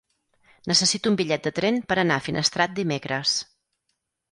Necessito un bitllet de tren per anar a Finestrat dimecres.